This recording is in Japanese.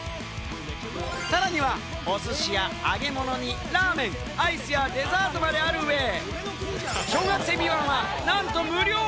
さらにはお寿司や揚げ物にラーメン、アイスやデザートまであるうえ、小学生未満はなんと無料！